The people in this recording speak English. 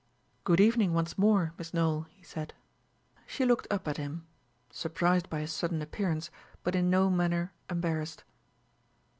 "Good evening once more, Miss Nowell," he said. She looked up at him, surprised by his sudden appearance, but in no manner embarrassed.